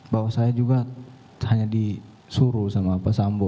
bahwa saya juga hanya disuruh sama pak sambo